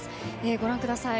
ご覧ください